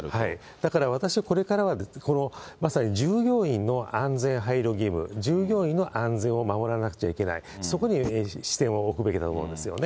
だから私はこれからは、まさに従業員の安全配慮義務、従業員の安全を守らなくちゃいけない、そこに視点を置くべきだと思うんですよね。